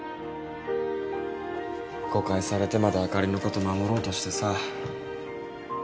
誤解されてまであかりのこと守ろうとしてさ。